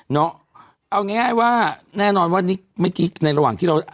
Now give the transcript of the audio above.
เอาง่ายว่าแน่นอนว่านิกเมื่อกี้ในระหว่างที่เรา